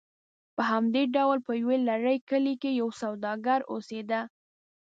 په همدې ډول په یو لرې کلي کې یو سوداګر اوسېده.